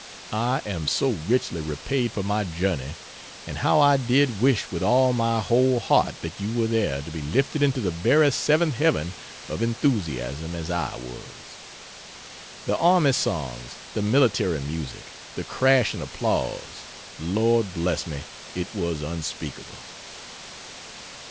I am so richly repaid for my journey and how I did wish with all my whole heart that you were there to be lifted into the very seventh heaven of enthusiasm, as I was. The army songs, the military music, the crashing applause Lord bless me, it was unspeakable.